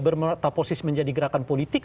bermata posis menjadi gerakan politik